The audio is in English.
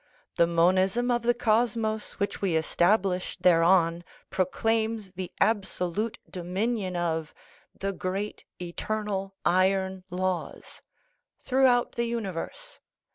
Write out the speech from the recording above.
The monism of the cosmos which we establish thereon proclaims the absolute dominion of " the great eternal iron laws " throughout the universe.